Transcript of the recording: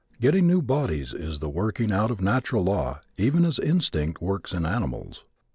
Getting new bodies is the working out of natural law even as instinct works in animals.